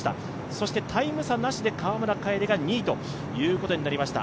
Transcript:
そしてタイム差なしで川村楓が２位となりました。